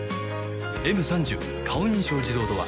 「Ｍ３０ 顔認証自動ドア」